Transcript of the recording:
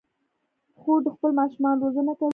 خور د خپلو ماشومانو روزنه کوي.